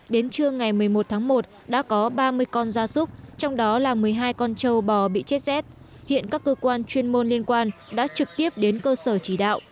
đến trưa ngày một mươi một tháng một đã có ba mươi con gia súc trong đó là một mươi hai con trâu bò bị chết rét hiện các cơ quan chuyên môn liên quan đã trực tiếp đến cơ sở chỉ đạo